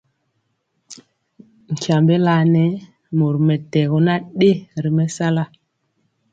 Tyiembé laɛ nɛ mori mɛtɛgɔ nan dɛ ri mɛsala.